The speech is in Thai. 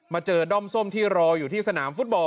เจอด้อมส้มที่รออยู่ที่สนามฟุตบอล